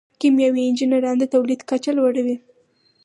کیمیاوي انجینران د تولید کچه لوړوي.